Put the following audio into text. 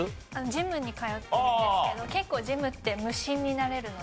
ジムに通ってるんですけど結構ジムって無心になれるので。